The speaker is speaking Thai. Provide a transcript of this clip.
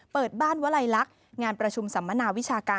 เปิดบ้านวลัยลักษณ์งานประชุมสัมมนาวิชาการ